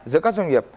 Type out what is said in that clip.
giữa các doanh nghiệp